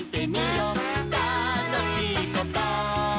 「たのしいこと？」